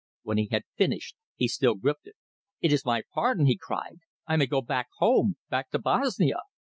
When he had finished, he still gripped it. "It is my pardon!" he cried. "I may go back home back to Bosnia!"